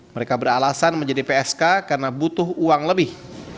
mereka beralasan menjadi psk karena butuh uang lebih